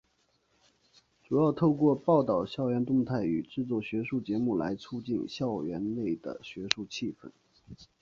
主要透过报导校园动态与制作学术节目来促进校园内的学术气氛。